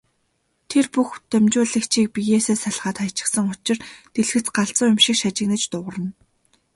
Тэр бүх дамжуулагчийг биенээсээ салгаад хаячихсан учир дэлгэц галзуу юм шиг шажигнан дуугарна.